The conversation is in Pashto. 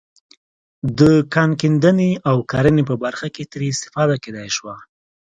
د کان کیندنې او کرنې په برخه کې ترې استفاده کېدای شوه.